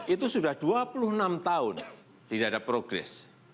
itu sudah dua puluh enam tahun tidak ada progres